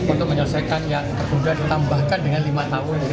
untuk menyelesaikan yang tertunda ditambahkan dengan lima tahun